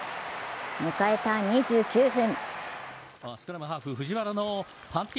迎えた２９分。